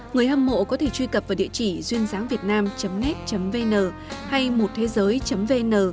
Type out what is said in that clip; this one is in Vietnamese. người hâm mộ có thể truy cập vào địa chỉ duyêngiangvietnam net vn hay mụtthezới vn